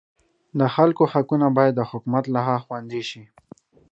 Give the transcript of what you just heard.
د خلکو حقونه باید د حکومت لخوا خوندي شي.